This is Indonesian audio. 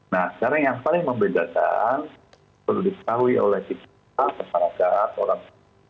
nah sekarang yang paling membedakan perlu diketahui oleh kita masyarakat orang